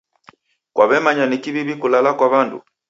Kwaw'emanya ni kiw'iw'i kulala kwa w'andu.